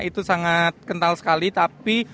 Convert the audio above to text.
itu sangat kental sekali tapi